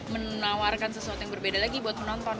menawarkan sesuatu yang berbeda lagi buat penonton